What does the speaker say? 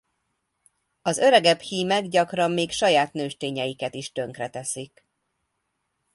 Az öregebb hímek gyakran még saját nőstényeiket is tönkreteszik.